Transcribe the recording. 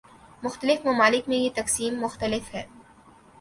مختلف ممالک میں یہ تقسیم مختلف ہے۔